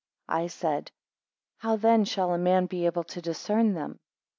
5 I said, How then shall a man be able to discern them?